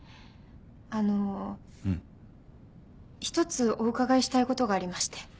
一つお伺いしたいことがありまして。